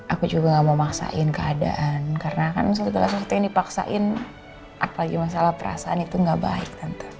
aku juga gak mau maksain keadaan karena kan segala sesuatu yang dipaksain apalagi masalah perasaan itu gak baik